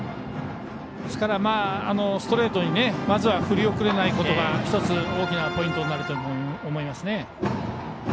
ですから、ストレートにまずは振り遅れないことが１つ大きなポイントになると思います。